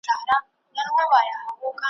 را ایستل یې رنګ په رنګ داسي ږغونه `